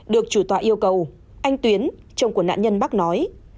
được chủ tọa yêu cầu anh tuyến chồng của nạn nhân bắc nói